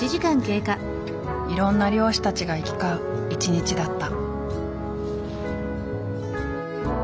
いろんな漁師たちが行き交う一日だった。